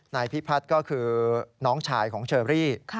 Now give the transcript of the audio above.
นายพิพัฒน์ก็คือน้องชายของเชอรี่